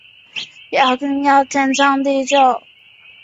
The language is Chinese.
奥利瓦是西班牙巴伦西亚自治区巴伦西亚省的一个市镇。